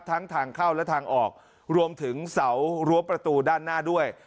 ทั้งทางเข้าและทางออกรวมถึงเสารั้วประตูด้านหน้าด้วย